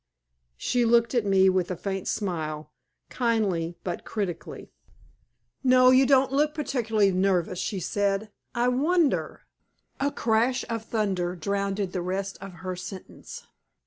She looked at me with a faint smile, kindly but critically. "No, you don't look particularly nervous," she said. "I wonder " A crash of thunder drowned the rest of her sentence.